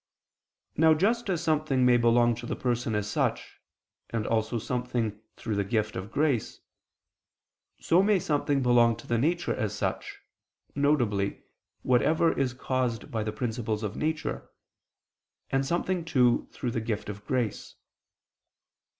Now just as something may belong to the person as such, and also something through the gift of grace, so may something belong to the nature as such, viz. whatever is caused by the principles of nature, and something too through the gift of grace.